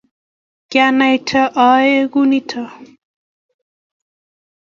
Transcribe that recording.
kianaite oyoe kou nito